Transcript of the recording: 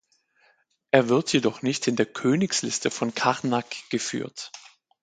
Er wird jedoch nicht in der Königsliste von Karnak geführt.